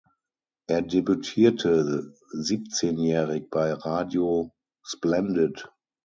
Er debütierte siebzehnjährig bei "Radio Splendid".